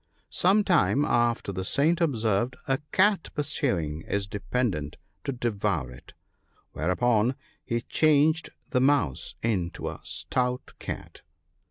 Some time after the Saint observed a cat pur suing his dependant to devour it, whereupon he changed the mouse into a stout cat.